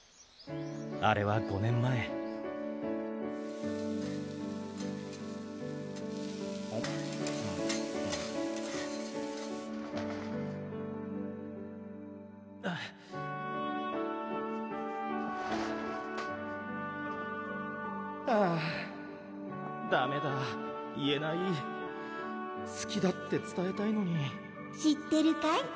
あれは５年前ハァダメだ言えなすきだってつたえたいのに知ってるかい？